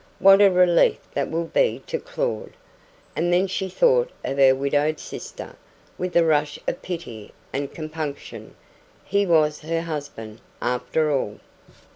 What a relief that will be to Claud!" And then she thought of her widowed sister, with a rush of pity and compunction. He was her husband, after all.